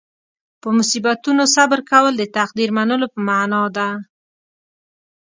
په مصیبتونو صبر کول د تقدیر منلو په معنې ده.